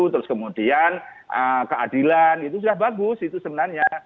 terus kemudian keadilan itu sudah bagus itu sebenarnya